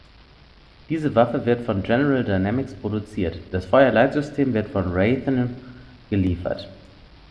Diese Waffe wird von General Dynamics produziert; das Feuerleitsystem wird von Raytheon geliefert.